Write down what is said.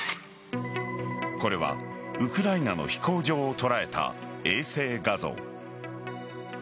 これはウクライナの飛行場を捉えた衛星画像。